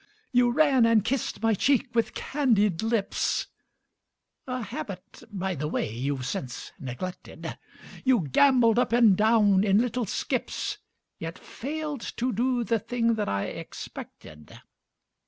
You ran and kissed my cheek with candied lips, A habit, by the way, you've since neglected ; You gambolled up and down in little skips, Yet failed to do the thing that I expected.